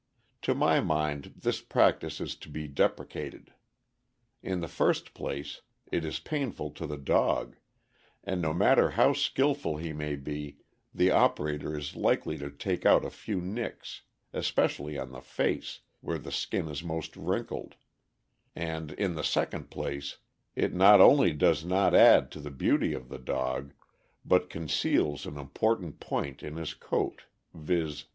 To my mind, this practice is to be deprecated. In the first place, it is pain ful to the dog, and no matter how skillful he may be, the operator is likely to take out a few " nicks," especially on the face, where the skin is most wrinkled; and in the second place, it not only does not add to the beauty of the dog, but conceals an important point in his coat, viz.